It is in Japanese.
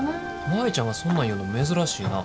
舞ちゃんがそんなん言うの珍しいな。